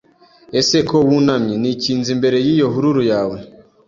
Ese ko wunamye, nikinze imbere y'iyo hururu yawe